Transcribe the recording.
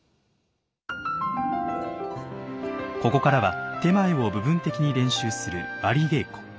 ここからは点前を部分的に練習する「割り稽古」。